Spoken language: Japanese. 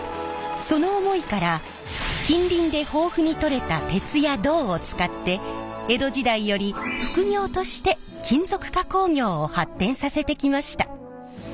その思いから近隣で豊富にとれた鉄や銅を使って江戸時代より副業として金属加工業を発展させてきました。